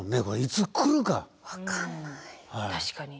これいつ来るか。